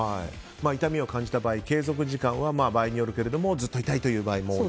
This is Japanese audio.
痛みを感じた場合継続時間は場合によるけどもずっと痛いという場合も。